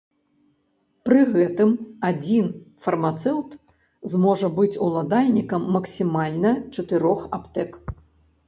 Пры гэтым адзін фармацэўт зможа быць уладальнікам максімальна чатырох аптэк.